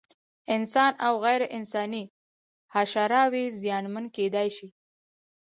انسان او غیر انساني حشراوې زیانمن کېدای شي.